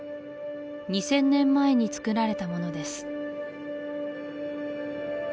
２０００年前につくられたものです